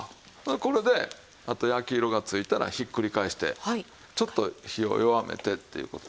これであと焼き色がついたらひっくり返してちょっと火を弱めてっていう事。